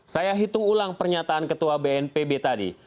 saya hitung ulang pernyataan ketua bnpb tadi